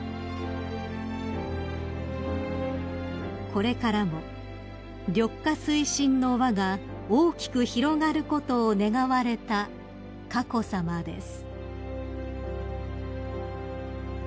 ［これからも緑化推進の輪が大きく広がることを願われた佳子さまです］